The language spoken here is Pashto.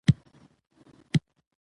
ځان او کورنۍ يې د بدۍ څښتنه کړه.